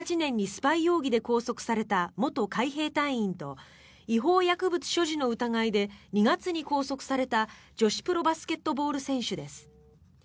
解放を求めているのは２０１８年にスパイ容疑で拘束された元海兵隊員と違法薬物所持の疑いで２月に拘束された女子プロバスケットボール選手です。